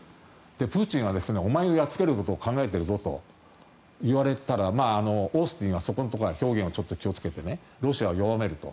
プーチンはお前をやっつけることを考えてるぞと言われたらオースティンはそこのところをちょっと表現に気をつけてロシアを弱めると。